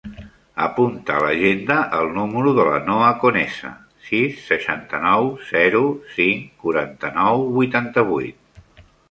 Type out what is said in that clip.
Apunta a l'agenda el número de la Noha Conesa: sis, seixanta-nou, zero, cinc, quaranta-nou, vuitanta-vuit.